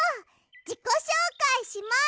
じこしょうかいします！